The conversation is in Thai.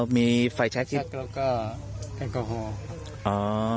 อ๋อมีไฟแช็กแล้วก็แอลกอฮอล์อ๋อ